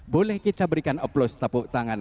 boleh kita berikan aplaus tapuk tangan